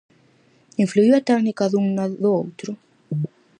Influíu a técnica dun na do outro?